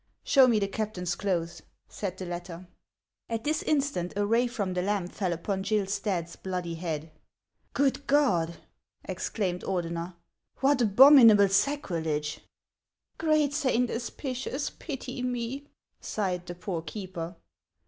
" Show me the captain's clothes," said the latter. At this instant a ray from the lamp fell upon Gill Stadt's bloody head. " Good God !" exclaimed Ordener, " what abominable sacrilege !" HANS OF ICELAND. 89 " Great Saint Hospitius, pity me !" sighed the poor keeper.